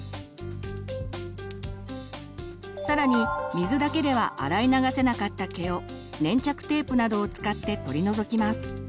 更に水だけでは洗い流せなかった毛を粘着テープなどを使って取り除きます。